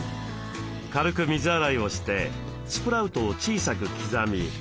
軽く水洗いをしてスプラウトを小さく刻み。